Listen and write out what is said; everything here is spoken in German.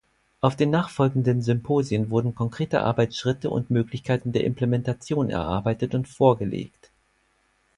Auf den nachfolgenden Symposien wurden konkrete Arbeitsschritte und Möglichkeiten der Implementation erarbeitet und vorgelegt.